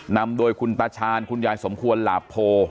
นำโดยคุณตาชาญคุณยายสมควรหลาโพ